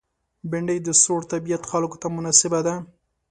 بېنډۍ د سوړ طبیعت خلکو ته مناسبه ده